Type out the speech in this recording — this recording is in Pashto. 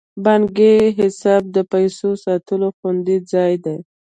بانکي حساب د پیسو ساتلو خوندي ځای دی.